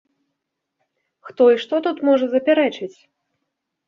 Хто і што тут можа запярэчыць?